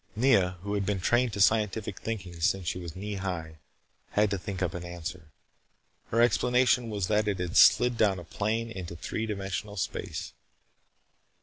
Nea, who had been trained to scientific thinking since she was knee high, had to think up an answer. Her explanation was that it had slid down a plane into three dimensional space.